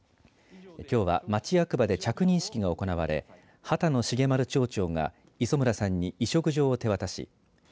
きょうは町役場で着任式が行われ波多野茂丸町長が磯村さんに委嘱状を手渡し